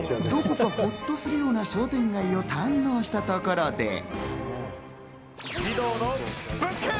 どこか、ほっとするような商店街を堪能したところで。